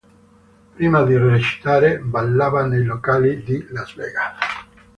Prima di recitare, ballava nei locali di Las Vegas.